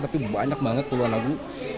tapi banyak banget puluhan lagu